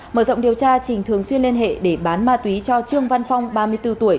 mở rộng điều tra trình thường xuyên liên hệ để bán ma túy cho trương văn phong ba mươi bốn tuổi